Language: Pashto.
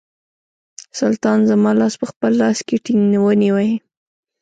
سلطان زما لاس په خپل لاس کې ټینګ ونیوی.